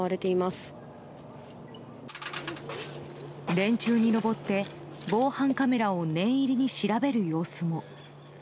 電柱に上って防犯カメラを念入りに調べる様子も。